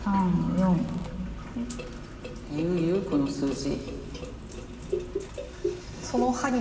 言う言うこの数字。